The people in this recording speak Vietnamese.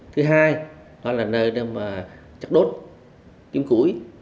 thứ hai đó là nơi để mà chặt đốt kiếm củi